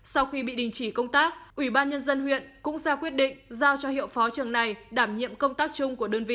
sau khi bị đình chỉ công tác ủy ban nhân dân huyện cũng ra quyết định giao cho hiệu phó trường này đảm nhiệm công tác chung của đơn vị